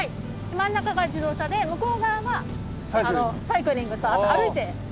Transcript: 真ん中が自動車で向こう側がサイクリングとあと歩いて渡る事も。